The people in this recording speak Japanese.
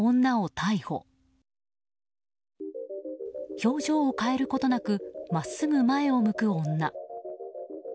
表情を変えることなく真っすぐ前を向く女。